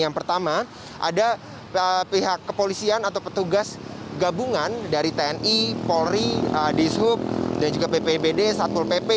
yang pertama ada pihak kepolisian atau petugas gabungan dari tni polri dishub dan juga bpbd satpol pp